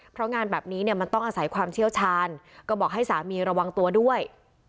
เพราะงานแบบนี้เนี่ยมันต้องอาศัยความเชี่ยวชาญก็บอกให้สามีระวังตัวด้วย